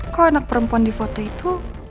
kok anak perempuan di foto itu